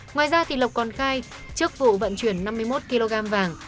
ngoài ra lộc còn khai trước vụ vận chuyển năm mươi một kg vàng